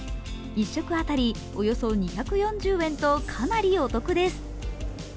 １食当たりおよそ２４０円とかなりお得です。